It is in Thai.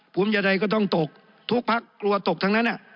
ภูมิใจใดก็ต้องตกทุกพักกลัวตกทั้งนั้น